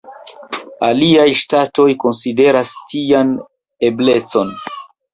Aliaj ŝtatoj konsideras tian eblecon.